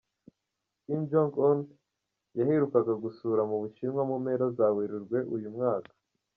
Kim Jong-un yaherukaga gusura mu Bushinwa mu mpera za Werurwe uyu mwaka.